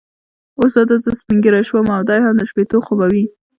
اوس دا دی زه سپینږیری شوم او دی هم د شپېتو خو به وي.